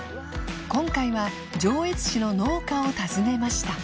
禳２鵑上越市の農家を訪ねました